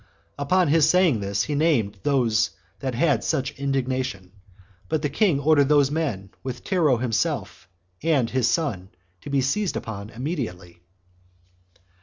Upon his saying this, he named those that had such indignation; but the king ordered those men, with Tero himself and his son, to be seized upon immediately.